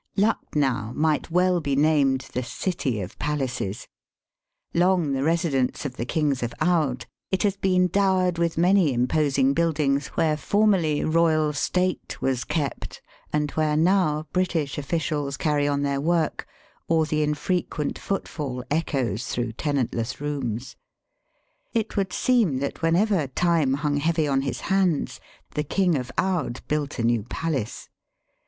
LucKNOW might well be named the City of Palaces. Long the residence of the kings of Oude, it has been dowered with many imposing buildings where formerly royal state was kept, and where now British officials carry on their work, or the infrequent footfall echoes through tenantless rooms. It would seem that whenever time hung heavy on his hands the King of Oude built a new palace.